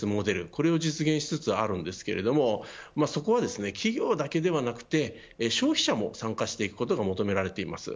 これを実現しつつあるんですけれどそこは企業だけではなくて消費者も参加していくことが求められています。